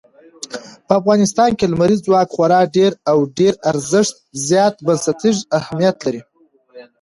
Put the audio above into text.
په افغانستان کې لمریز ځواک خورا ډېر او ډېر زیات بنسټیز اهمیت لري.